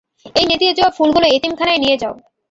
এই নেতিয়ে যাওয়া ফুলগুলো এতিমখানায় নিয়ে যাও।